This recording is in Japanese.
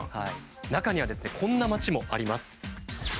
中にはですねこんな町もあります。